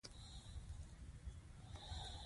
طبیعي ګټې دي.